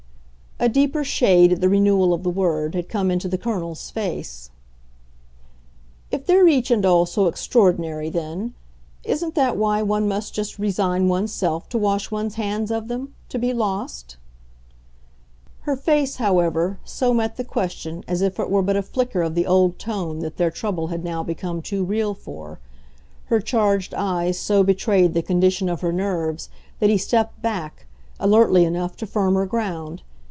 A deeper shade, at the renewal of the word, had come into the Colonel's face. "If they're each and all so extraordinary then, isn't that why one must just resign one's self to wash one's hands of them to be lost?" Her face, however, so met the question as if it were but a flicker of the old tone that their trouble had now become too real for her charged eyes so betrayed the condition of her nerves that he stepped back, alertly enough, to firmer ground.